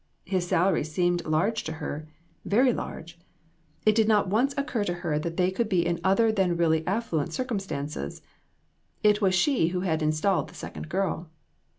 His salary seemed large to her very large. It did 28O INTRICACIES. not once occur to her that they could be in other than really affluent circumstances. It was she who had installed this second girl.